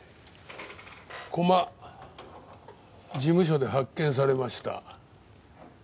駒事務所で発見されました。